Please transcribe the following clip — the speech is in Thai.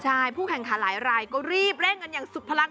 ใช่ผู้แข่งขันหลายรายก็รีบเร่งกันอย่างสุดพลัง